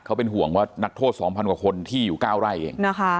เขาเป็นห่วงว่านักโทษ๒๐๐กว่าคนที่อยู่๙ไร่เอง